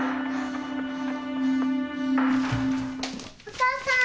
お母さん。